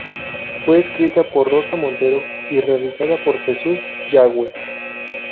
Fue escrita por Rosa Montero y realizada por Jesús Yagüe.